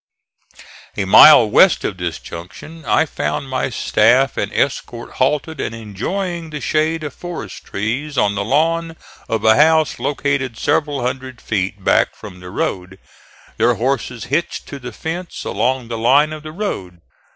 A mile west of this junction I found my staff and escort halted and enjoying the shade of forest trees on the lawn of a house located several hundred feet back from the road, their horses hitched to the fence along the line of the road.